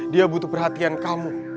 dia butuh perhatian kamu